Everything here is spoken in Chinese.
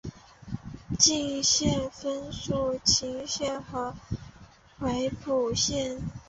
县境分属鄞县和回浦县。